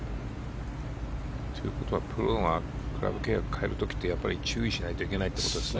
ということはプロがクラブ契約を変える時は注意しないといけないんですね。